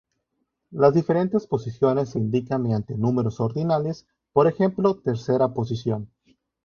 Las diferentes posiciones se indican mediante números ordinales, por ejemplo tercera posición.